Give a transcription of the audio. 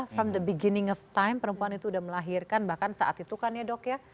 from the beginning of time perempuan itu udah melahirkan bahkan saat itu kan ya dok ya